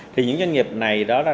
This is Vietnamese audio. thì những doanh nghiệp này